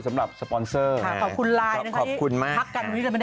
สหรับแหน่นี้ว่า